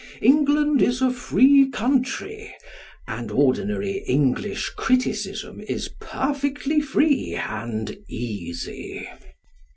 England is a free country, and ordinary English criticism is perfectly free and easy.